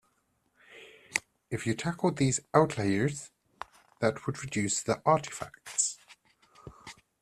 If you tackled these outliers that would reduce the artifacts.